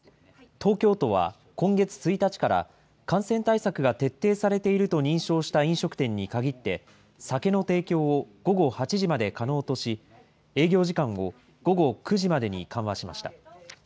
東京都は、今月１日から、感染対策が徹底されていると認証した飲食店に限って、酒の提供を午後８時まで可能とし、営業時間を午後９時までに緩和しました。